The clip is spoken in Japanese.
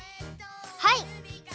はい。